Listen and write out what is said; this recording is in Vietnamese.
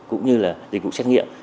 cũng như là dịch vụ xét nghiệm